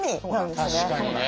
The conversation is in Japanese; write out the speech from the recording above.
確かにね。